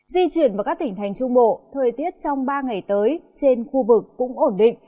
di chuyển vào các tỉnh thành trung bộ thời tiết trong ba ngày tới trên khu vực cũng ổn định